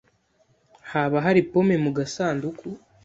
Haba hari pome mu gasanduku?